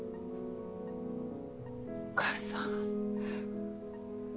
お義母さん。